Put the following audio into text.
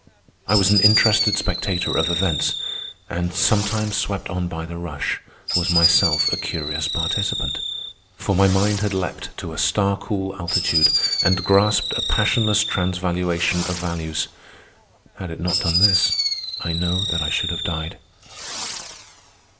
I was an interested spectator of events, and, sometimes swept on by the rush, was myself a curious participant. For my mind had leaped to a star cool altitude and grasped a passionless transvaluation of values. Had it not done this, I know that I should have died.